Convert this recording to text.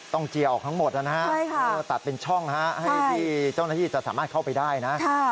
เจียออกทั้งหมดนะฮะตัดเป็นช่องให้ที่เจ้าหน้าที่จะสามารถเข้าไปได้นะ